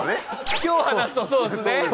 今日話すとそうですね。